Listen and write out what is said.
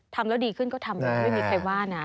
ทำแล้วดีขึ้นก็ทำไม่มีใครว่านะ